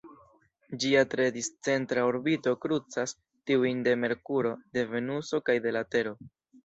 Ĝia tre discentra orbito krucas tiujn de Merkuro, de Venuso kaj de la Tero.